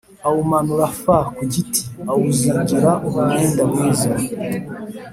Awumanura f ku giti awuzingira mu mwenda mwiza